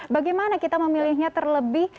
bagaimana kita memilihnya terlebih